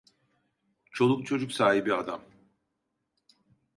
Çoluk çocuk sahibi adam…